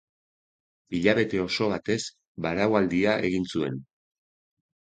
Hilabete oso batez baraualdia egin zuen.